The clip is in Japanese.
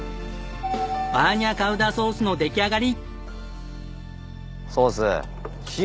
バーニャカウダソースの出来上がり！